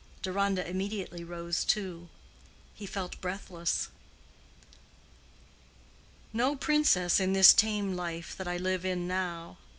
Deronda immediately rose too; he felt breathless. "No princess in this tame life that I live in now.